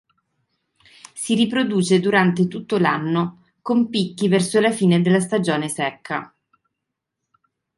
Si riproduce durante tutto l'anno, con picchi verso la fine della stagione secca.